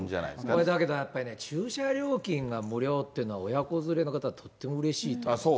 これだけど、やっぱりね、駐車料金が無料っていうのは、親子連れの方は、とってもうれしいと。